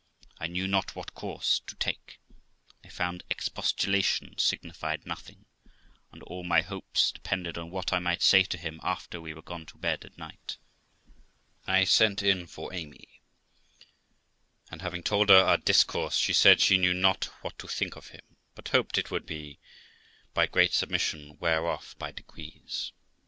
I knew not what course to take; I found expostulation signified nothing, and all my hopes depended on what I might say to him after we were gone to bed at night. I sent in for Amy, and, having told her our discourse, she said she knew not what to think of him, but hoped it would, by great submission, wear off by degrees.